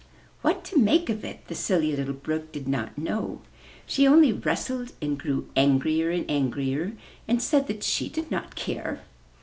What to make of it the Silly Little Brook did not know; she only rustled and grew angrier and angrier and said that she did not care.